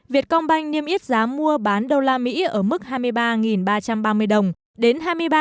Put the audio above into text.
việt công banh niêm yết giá mua bán đô la mỹ ở mức hai mươi ba ba trăm ba mươi đồng đến hai mươi ba bốn trăm năm mươi đồng một lít